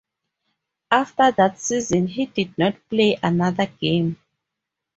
After that season he did not play another game.